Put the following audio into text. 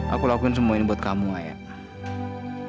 aku lakuin semua ini buat kamu ayah